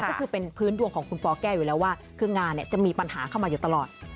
ก็คือเป็นพื้นดวงของคุณปแก้วอยู่แล้วว่าคืองานจะมีปัญหาเข้ามาอยู่ตลอด